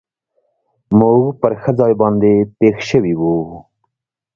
موږ پر ښه ځای باندې پېښ شوي و.